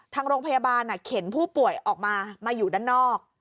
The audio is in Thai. ทางโรงพยาบาลเข็นผู้ป่วยออกมามาอยู่ด้านนอก